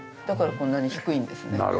だからこんなに低いんですね。